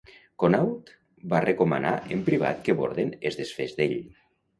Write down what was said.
Connaught va recomanar en privat que Borden es desfés d'ell.